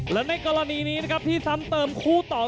และในกรณีนี้นะครับที่ซ้ำเติมคู่ต่อ